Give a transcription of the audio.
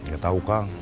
gak tahu kang